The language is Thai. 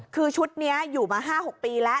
คือชุดนี้อยู่มา๕๖ปีแล้ว